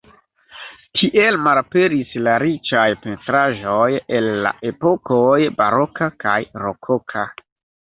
Tiel malaperis la riĉaj pentraĵoj el la epokoj baroka kaj rokoka.